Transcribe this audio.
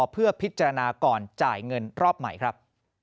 เพื่อพิจารณาก่อนจ่ายเงินรอบใหม่ครับ